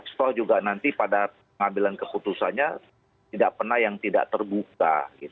setelah juga nanti pada pengambilan keputusannya tidak pernah yang tidak terbuka